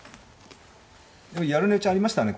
でもやる値打ちありましたね